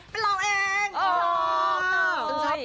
เป็นเราเอง